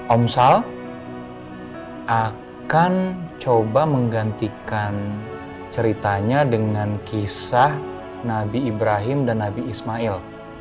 omsal akan coba menggantikan ceritanya dengan kisah nabi ibrahim dan nabi ismail